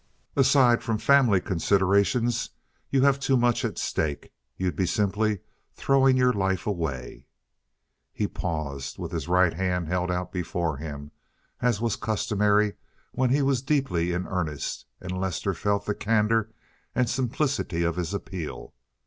Aside from family considerations, you have too much at stake. You'd be simply throwing your life away—" He paused, with his right hand held out before him, as was customary when he was deeply in earnest, and Lester felt the candor and simplicity of this appeal.